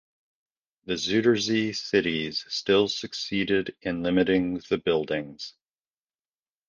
The Zuiderzee cities still succeeded in limiting the buildings.